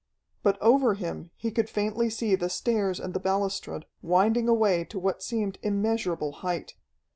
But over him he could faintly see the stairs and the balustrade, winding away to what seemed immeasurable height.